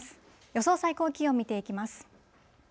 予想最高気温見ていきます。